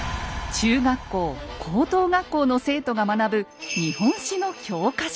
中学校高等学校の生徒が学ぶ日本史の教科書。